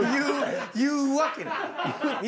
言うわけない。